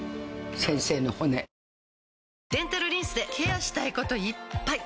デンタルリンスでケアしたいこといっぱい！